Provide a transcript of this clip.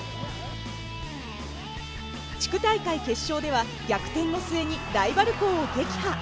地区大会決勝では逆転の末にライバル校を撃破。